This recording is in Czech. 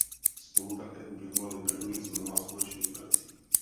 Spolu také publikovali první z mnoha společných prací.